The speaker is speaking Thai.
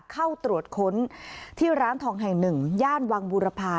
เข้าตรวจค้นที่ร้านทองแห่งหนึ่งย่านวังบูรพา